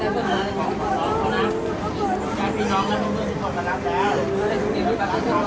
แม่เนอะเราก็รอคอยวันเนี้ยวันที่ลูกสำเร็จใครก็ต้องรอคอย